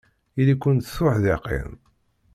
Ili-kent d tuḥdiqin.